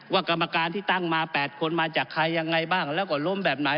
กรรมการที่ตั้งมา๘คนมาจากใครยังไงบ้างแล้วก็ล้มแบบไหน